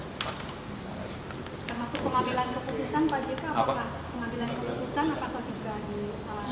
masuk pengambilan keputusan pak jk apa pengambilan keputusan akan berjaga di